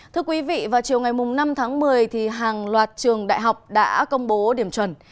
thưa quý vị vào chiều ngày năm tháng một mươi hàng loạt trường đại học đã công bố điểm chuẩn